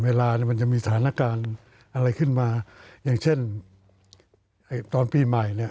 เวลาเนี่ยมันจะมีสถานการณ์อะไรขึ้นมาอย่างเช่นตอนปีใหม่เนี่ย